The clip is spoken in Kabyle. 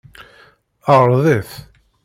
Ɛṛeḍ-it.